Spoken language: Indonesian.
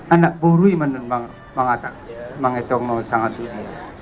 anak buru iman mangetong sangat itu dia